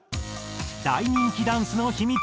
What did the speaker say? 大人気ダンスのヒミツ。